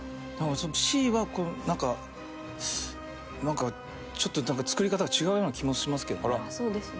Ｃはなんかなんかちょっとなんか作り方が違うような気もしますけどね。